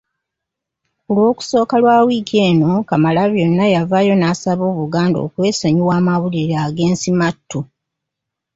Ku Lwokusooka lwa wiiki eno Kamalabyonna yavaayo n'asaba Obuganda okwesonyiwa amawulire ag’ensimattu.